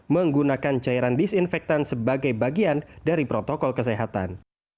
menggunakan cairan disinfektan sebagai bagian dari protokol kesehatan